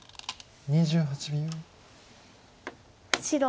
２８秒。